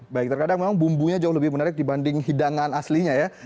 baik terkadang memang bumbunya jauh lebih menarik dibanding hidangan aslinya ya